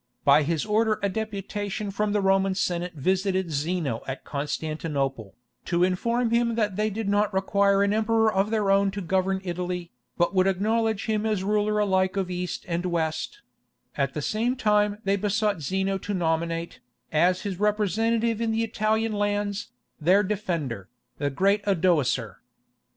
By his order a deputation from the Roman Senate visited Zeno at Constantinople, to inform him that they did not require an emperor of their own to govern Italy, but would acknowledge him as ruler alike of East and West; at the same time they besought Zeno to nominate, as his representative in the Italian lands, their defender, the great Odoacer.